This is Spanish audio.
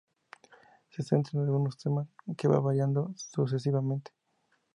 Se centra en algunos temas, que va variando sucesivamente.